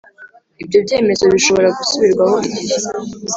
Ibyo byemezo bishobora gusubirwaho igihe